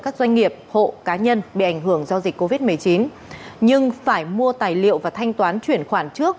các doanh nghiệp hộ cá nhân bị ảnh hưởng do dịch covid một mươi chín nhưng phải mua tài liệu và thanh toán chuyển khoản trước